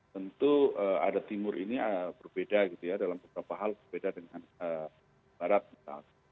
tentu ada timur ini berbeda gitu ya dalam beberapa hal berbeda dengan barat misalnya